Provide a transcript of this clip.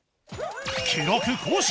記録更新！